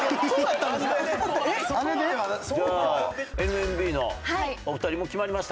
ＮＭＢのお二人もう決まりましたか？